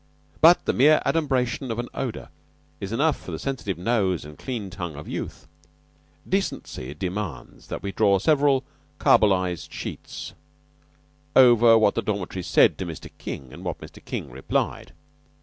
But the mere adumbration of an odor is enough for the sensitive nose and clean tongue of youth. Decency demands that we draw several carbolized sheets over what the dormitory said to Mr. King and what Mr. King replied.